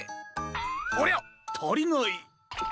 ありゃたりない。